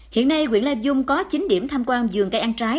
hiện nay nguyễn lạp dung có chín điểm tham quan vườn cây ăn trái